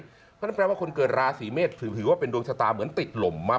เพราะฉะนั้นแปลว่าคนเกิดราศีเมษถือว่าเป็นดวงชะตาเหมือนติดลมมาก